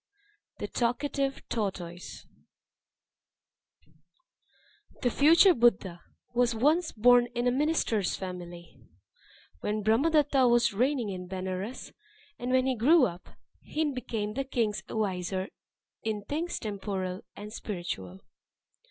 The Talkative Tortoise The future Buddha was once born in a minister's family, when Brahma datta was reigning in Benares; and when he grew up, he became the king's adviser in things temporal and spiritual.